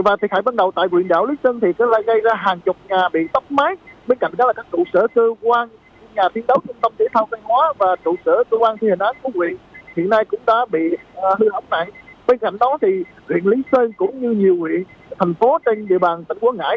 và thực hành bắt đầu tại huyện đảo lý sơn thì có gây ra hàng chục nhà bị tóc mái